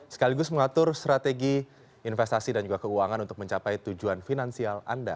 sekaligus mengatur strategi investasi dan juga keuangan untuk mencapai tujuan finansial anda